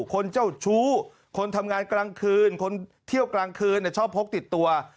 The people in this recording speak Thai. คนเจ้าชู้คนทำงานกลางคืนคนเที่ยวกลางคืนชอบพกติดตัว